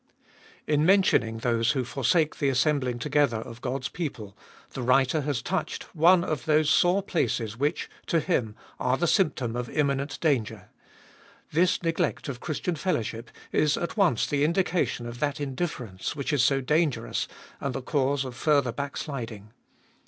IN mentioning those who forsake the assembling together of God's people, the writer has touched one of those sore places which, to him, are the symptom of imminent danger. This neglect of Christian fellowship is at once the indication of that indifference which is so dangerous, and the cause of further backsliding.